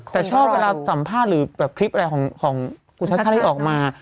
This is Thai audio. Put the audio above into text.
แต่เช่าเวลาสัมภาษณ์หรือคลิปอะไรของคุณชาชให้ออกมา